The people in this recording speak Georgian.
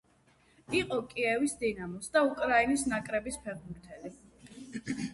იყო კიევის „დინამოს“ და უკრაინის ნაკრების ფეხბურთელი.